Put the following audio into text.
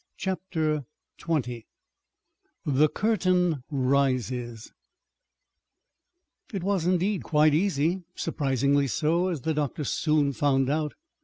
CHAPTER XX THE CURTAIN RISES It was, indeed, quite "easy" surprisingly so, as the doctor soon found out.